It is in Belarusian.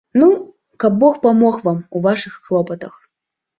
Ну, каб бог памог вам у вашых клопатах!